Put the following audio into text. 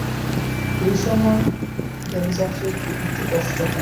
সেই সময় ডেকযাত্রীর একটু কষ্ট হয়।